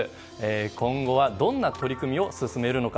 今後はどんな取り組みを進めるのか。